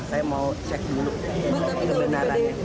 saya mau cek dulu kebenarannya